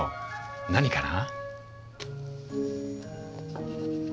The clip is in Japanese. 何かな？